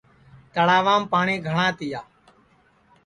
تݪاوام پاٹؔی گھٹؔا تِیا